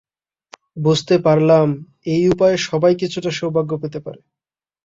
বুঝতে পারলাম, এই উপায়ে সবাই কিছুটা সৌভাগ্য পেতে পারে।